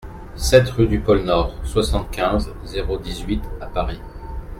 sept rUE DU POLE NORD, soixante-quinze, zéro dix-huit à Paris